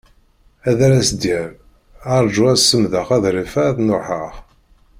Ad as-d-yerr: Arju ad semdeɣ aḍref-a ad n-ruḥeɣ.